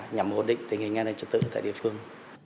nhằm hỗ định tình hình nhanh chất tự tại địa phương